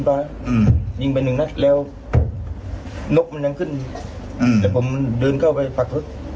แต่ผมเดินเข้าไปฝากทุกข์